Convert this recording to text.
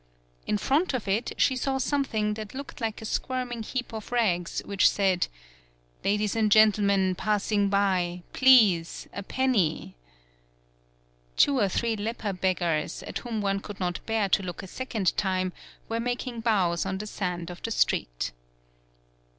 In front of it she saw something that looked like a squirming heap of rags, which said: "Ladies and gentlemen, passing by, please, a penny ..." Two or three leper beggars, at whom one could not bear to look a second time, were making bows on the sand of the street.